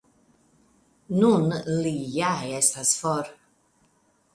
Nun li ja estas for.